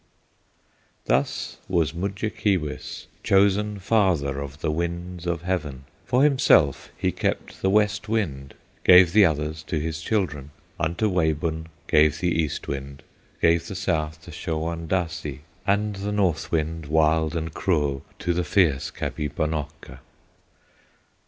Thus was Mudjekeewis chosen Father of the Winds of Heaven. For himself he kept the West Wind, Gave the others to his children; Unto Wabun gave the East Wind, Gave the South to Shawondasee, And the North Wind, wild and cruel, To the fierce Kabibonokka.